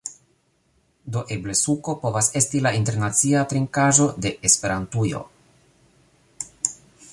Do, eble suko povas esti la internacia trinkaĵo de Esperantujo